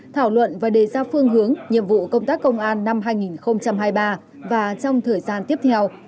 thảo luận và đề ra phương hướng nhiệm vụ công tác công an năm hai nghìn hai mươi ba và trong thời gian tiếp theo